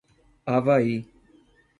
Avaí